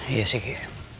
iya sih ki